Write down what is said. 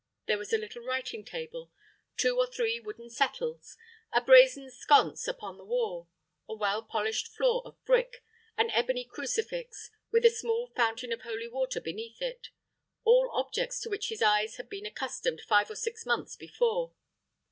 There was a little writing table, two or three wooden settles, a brazen sconce upon the wall, a well polished floor of brick, an ebony crucifix, with a small fountain of holy water beneath it all objects to which his eyes had been accustomed five or six months before.